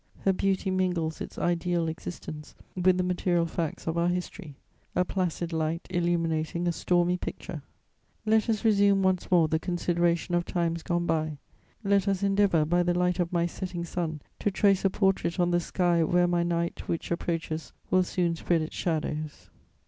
Her beauty mingles its ideal existence with the material facts of our history: a placid light illuminating a stormy picture. Let us resume once more the consideration of times gone by; let us endeavour, by the light of my setting sun, to trace a portrait on the sky where my night, which approaches, will soon spread its shadows.